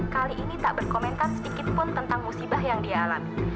kali ini tak berkomentar sedikit pun tentang musibah yang dia alami